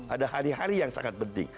ada hari hari yang sangat penting